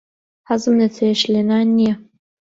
حەزم لە چێشت لێنان نییە.